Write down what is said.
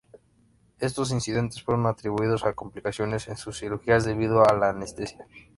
Estos incidentes fueron atribuidos a complicaciones en sus cirugías debido a la anestesia.